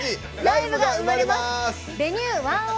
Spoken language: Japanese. ライブが生まれます。